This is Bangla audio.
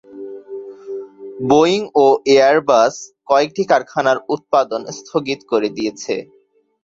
বোয়িং ও এয়ারবাস কয়েকটি কারখানায় উৎপাদন স্থগিত করে দিয়েছে।